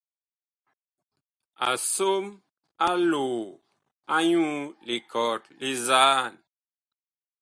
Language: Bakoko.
A som aloo anyuu likɔt li nzaan.